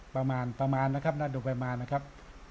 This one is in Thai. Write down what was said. ประมาณประมาณนะครับน่าดูไปมานะครับ